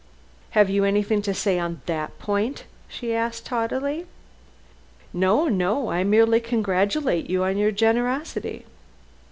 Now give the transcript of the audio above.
"Have you anything to say on that point?" she asked haughtily. "No! No! I merely congratulate you on your generosity."